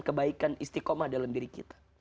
kebaikan istiqomah dalam diri kita